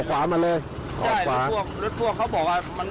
เอาขวามาเลยเอาขวาใช่รถพวกเขาบอกว่า